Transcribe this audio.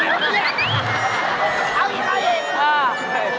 เอาอีกครั้งอีก